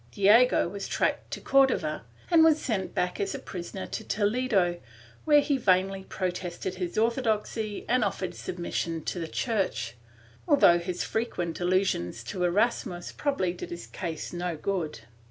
Diego was tracked to Cordova and was sent back as a prisoner to Toledo, where he vainly protested his orthodoxy and offered submission to the Church, although his frequent allusions to Erasmus probably did his case no good.